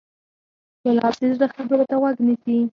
ګلاب د زړه خبرو ته غوږ نیسي.